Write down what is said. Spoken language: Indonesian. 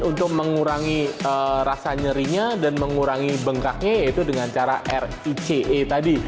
untuk mengurangi rasa nyerinya dan mengurangi bengkaknya yaitu dengan cara rice tadi